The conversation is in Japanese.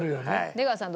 出川さん